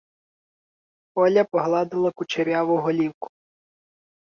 Оля погладила кучеряву голівку.